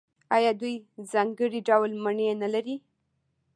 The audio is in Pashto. آیا دوی ځانګړي ډول مڼې نلري؟